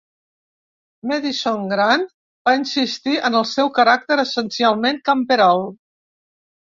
Madison Grant, va insistir en el seu "caràcter essencialment camperol".